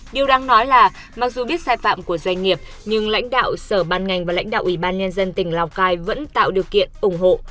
điều đáng nói là mặc dù biết sai phạm của doanh nghiệp nhưng lãnh đạo sở ban ngành và lãnh đạo ủy ban nhân dân tỉnh lào cai vẫn tạo điều kiện ủng hộ